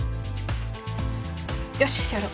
よしやろう！